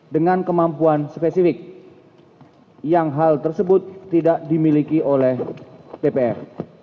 dengan kemampuan spesifik yang hal tersebut tidak dimiliki oleh dpr